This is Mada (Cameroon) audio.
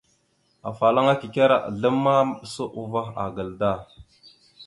Afalaŋa kikera azlam ma, maɓəsa uvah agal da.